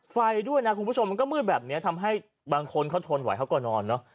ไฟด้วยนะคุณผู้ชมมันก็มืดแบบนี้ทำให้บางคนเขาทนไหวเขาก็นอนเนอะ